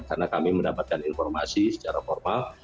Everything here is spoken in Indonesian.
karena kami mendapatkan informasi secara formal